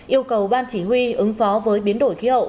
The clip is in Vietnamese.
yêu cầu ban chỉ huy ứng phó với biến đổi khí hậu